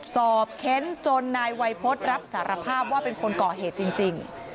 เค้นจนนายวัยพฤษรับสารภาพว่าเป็นคนก่อเหตุจริง